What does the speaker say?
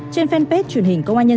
trên fanpage truyền hình công an nhân dân